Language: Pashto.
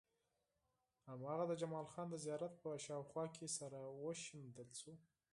هماغه د جمال خان د زيارت په شاوخوا کې سره وشيندل شو.